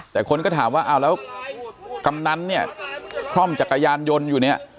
แต่คนก็ถามว่าอ้าวแล้วกำนันเนี่ยคล่อมจักรยานยนต์อยู่เนี่ย